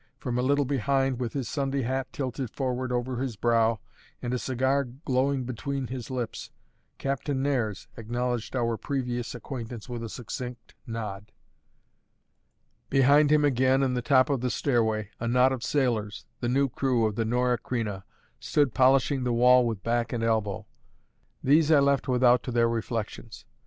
From a little behind, with his Sunday hat tilted forward over his brow, and a cigar glowing between his lips, Captain Nares acknowledged our previous acquaintance with a succinct nod. Behind him again, in the top of the stairway, a knot of sailors, the new crew of the Norah Creina, stood polishing the wall with back and elbow. These I left without to their reflections.